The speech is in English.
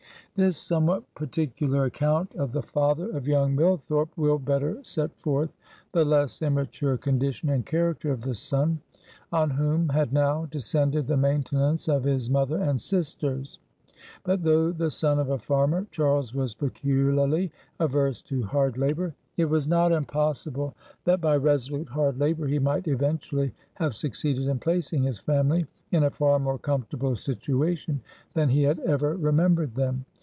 This somewhat particular account of the father of young Millthorpe, will better set forth the less immature condition and character of the son, on whom had now descended the maintenance of his mother and sisters. But, though the son of a farmer, Charles was peculiarly averse to hard labor. It was not impossible that by resolute hard labor he might eventually have succeeded in placing his family in a far more comfortable situation than he had ever remembered them.